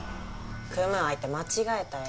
組む相手間違えたよ。